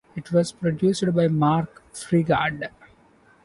It was produced by Mark Freegard.